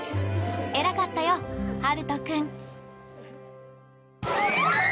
偉かったよ、はると君。